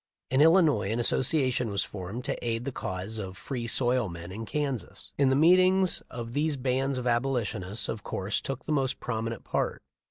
tin Illinois an association was formed to aid the cause \of "Free Soil" men in Kansas. In the meetings of 380 THE LIFE 0F LINCOLN. these bands the Abolitionists of course took the most prominent part.